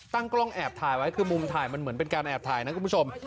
กล้องแอบถ่ายไว้คือมุมถ่ายมันเหมือนเป็นการแอบถ่ายนะคุณผู้ชม